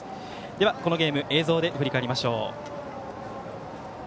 では、このゲームを映像で振り返りましょう。